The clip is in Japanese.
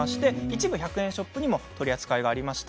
一部、１００円ショップにも取り扱いがあります。